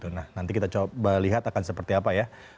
nah nanti kita coba lihat akan seperti apa ya